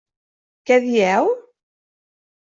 Què dieu?